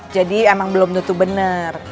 jadi emang belum tentu bener